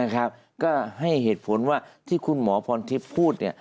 ก็ให้เหตุผลว่าที่คุณหมอพรทิพย์พูด